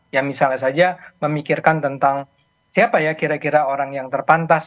ya misalnya saja memikirkan tentang siapa ya kira kira orang yang terpantas